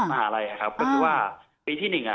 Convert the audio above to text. มหาวิทยาลัยครับก็คือว่าปีที่หนึ่ง